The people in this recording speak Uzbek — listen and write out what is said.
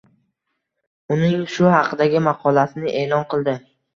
Uning shu haqdagi maqolasini elon qildi.